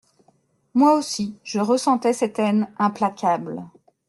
Moi aussi, je ressentais cette haine implacable.